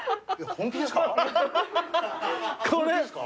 本気ですか？